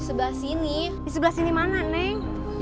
setelah ibu ini frederick gitu denganately